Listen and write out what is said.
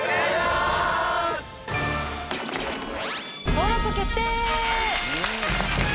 登録決定！